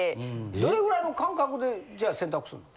どれぐらいの間隔でじゃあ洗濯するの？